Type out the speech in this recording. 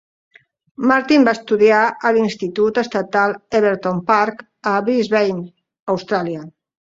Martin va estudiar a l'institut estatal Everton Park a Brisbane, Austràlia.